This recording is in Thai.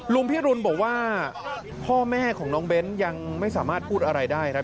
พิรุณบอกว่าพ่อแม่ของน้องเบ้นยังไม่สามารถพูดอะไรได้ครับ